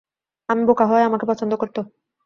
আমি বোকা হওয়ায় আমাকে পছন্দ করতো।